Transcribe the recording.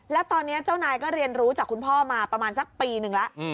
แล้วตอนนี้เจ้านายก็เรียนรู้จากคุณพ่อมาประมาณสักปีนึงแล้ว